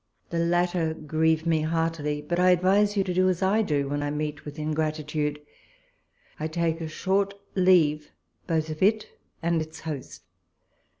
The latter grieve me heartily ; but I advise you to do as I do : when I meet with ingratitude, I take a short leave both of it and its host.